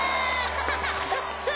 ハハハハ！